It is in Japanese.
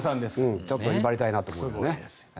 ちょっと威張りたいなと思いますけどね。